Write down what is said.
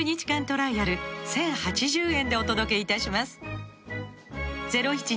トライアル１０８０円でお届けいたします